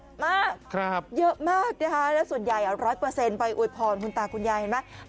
โอ้เยอะมากเยอะมากนะคะแล้วส่วนใหญ่๑๐๐ไปอุดพรคุณตาคุณยายเห็นไหม